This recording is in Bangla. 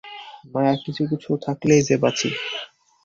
মায়া কিছু কিছু থাকলেই যে বাঁচি।